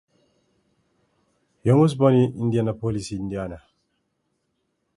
Young was born in Indianapolis, Indiana.